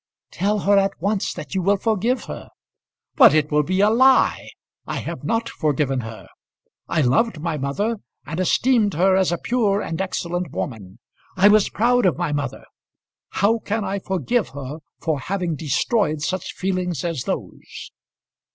"Tell her at once that you will forgive her." "But it will be a lie. I have not forgiven her. I loved my mother and esteemed her as a pure and excellent woman. I was proud of my mother. How can I forgive her for having destroyed such feelings as those?"